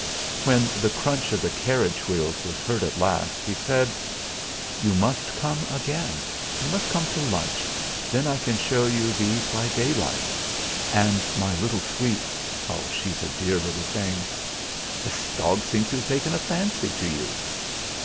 When the crunch of the carriage wheels was heard at last, he said: "You must come again; you must come to lunch, then I can show you these by daylight, and my little sweet she's a dear little thing. This dog seems to have taken a fancy to you."